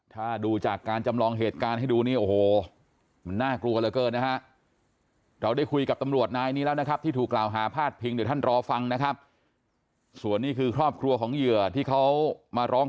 ถ้าดูจากการจำลองเหตุการให้ดูนี้โอ้โหน่ากลัวเลยเกินนะฮะเราได้คุยกับตำรวจนายนี้แล้วนะครับที่ถูกราวหาพลาดพิงเดี๋ยวท่านรอฟังนะครับส่วนนี้คือครอบครัวของเหยื่อที่เขามาแจ้งความเอาใจไว้ไปค่ะแล้วก็ปักเสียบแต่ก่อนที่